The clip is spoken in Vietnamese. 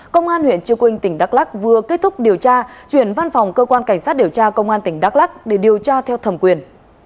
công an huyện trư quynh tỉnh đắk lắc vừa kết thúc điều tra chuyển văn phòng cơ quan cảnh sát điều tra công an tỉnh đắk lắc để điều tra theo thẩm quyền